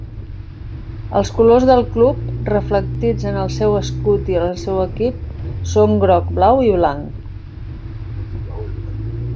Els colors del club, reflectits en el seu escut i en el seu equip, són groc, blau i blanc.